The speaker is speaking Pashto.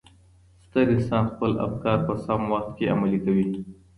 ستر انسان خپل افکار په سم وخت کي عملي کوي.